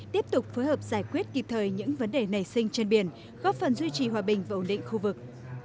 tiếp tục phối hợp giải quyết kịp thời những vấn đề nảy sinh trên biển góp phần duy trì hòa bình và ổn định khu vực